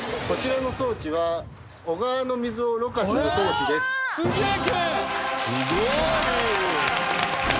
こちらの装置はすげえ！